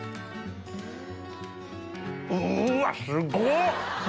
うわすごっ！